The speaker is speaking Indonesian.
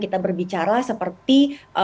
kita berbicara seperti